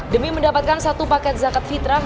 demi mendapatkan satu paket zakat fitrah